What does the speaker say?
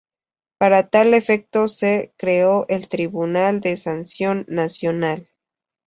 Para tal efecto se creó el Tribunal de Sanción Nacional.